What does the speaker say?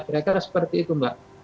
mereka seperti itu mbak